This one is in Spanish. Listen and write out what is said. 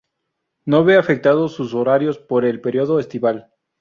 No ve afectados sus horarios por el periodo estival.